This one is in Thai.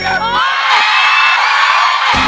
คุณอัศวิน